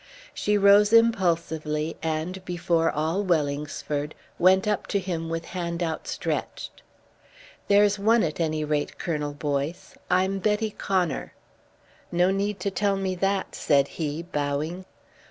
She rose impulsively and, before all Wellingsford, went up to him with hand outstretched. "There's one at any rate, Colonel Boyce. I'm Betty Connor " "No need to tell me that," said he, bowing.